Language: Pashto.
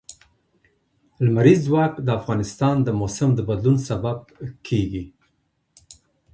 لمریز ځواک د افغانستان د موسم د بدلون سبب کېږي.